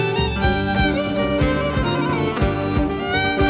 สวัสดีครับ